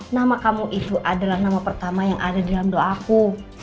nama kamu itu adalah nama pertama yang ada di dalam doaku